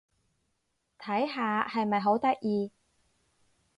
睇下！係咪好得意？